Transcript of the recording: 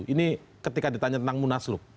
ini ketika ditanya tentang munaslup